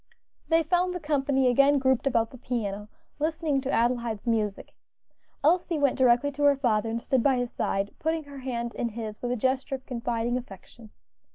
They found the company again grouped about the piano, listening to Adelaide's music. Elsie went directly to her father and stood by his side, putting her hand in his with a gesture of confiding affection.